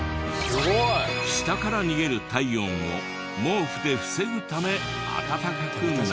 下から逃げる体温を毛布で防ぐため暖かくなる。